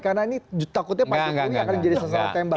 karena ini takutnya pak buas ini akan jadi sesuatu tembak